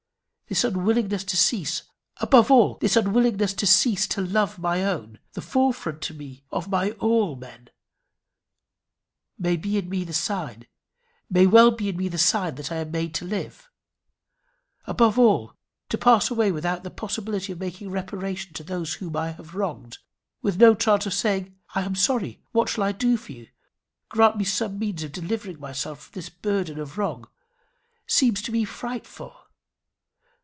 This unwillingness to cease above all, this unwillingness to cease to love my own, the fore front to me of my all men may be in me the sign, may well be in me the sign that I am made to live. Above all to pass away without the possibility of making reparation to those whom I have wronged, with no chance of saying I am sorry what shall I do for you? Grant me some means of delivering myself from this burden of wrong seems to me frightful.